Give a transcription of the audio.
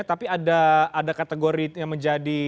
tapi ada kategori yang menjadi